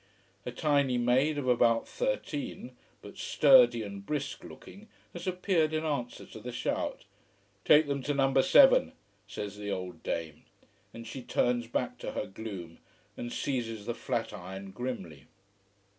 A tiny maid, of about thirteen, but sturdy and brisk looking, has appeared in answer to the shout. "Take them to number seven," says the old dame, and she turns back to her gloom, and seizes the flat iron grimly.